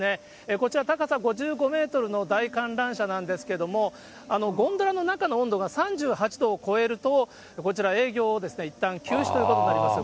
こちら高さ５５メートルの大観覧車なんですけれども、ゴンドラの中の温度が３８度を超えると、こちら営業をいったん休止ということなんですよ。